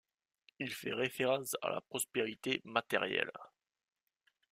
Il fait référence à la prospérité matérielle.